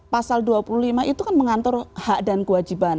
pasal dua puluh lima itu kan mengatur hak dan kewajiban